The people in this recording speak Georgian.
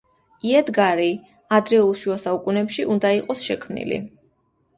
იადგარი ადრეულ შუა საუკუნეებში უნდა იყოს შექმნილი.